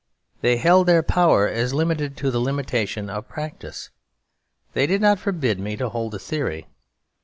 They held their power as limited to the limitation of practice; they did not forbid me to hold a theory.